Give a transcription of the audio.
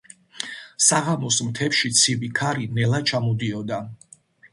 საღამოს მთებში ცივი ქარი ნელა ჩამოდიოდა.